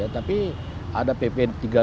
tapi ada pp tiga puluh lima